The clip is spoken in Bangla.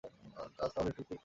আজ তাহলে এটুকুই থাক।